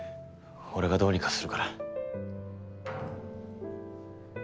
俺がどうにかするから。